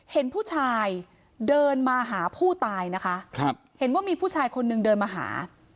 เห็นผู้ชายเดินมาหาผู้ตายนะคะครับเห็นว่ามีผู้ชายคนนึงเดินมาหา